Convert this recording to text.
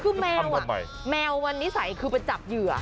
คือแมวอะแมวอ่ะแมววันนิสัยคือเค้าจับเหยื่อ